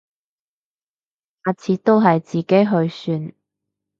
下次都係自己去算